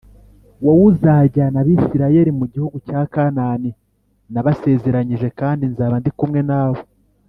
Wowe uzajyana Abisirayeli mu gihugu cya Kanani nabasezeranyije kandi nzaba ndi kumwe nawe